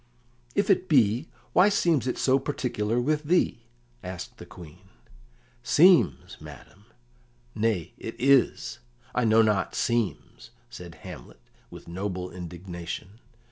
"If it be, why seems it so particular with thee?" asked the Queen. "'Seems' madam! Nay, it is; I know not 'seems,'" said Hamlet, with noble indignation.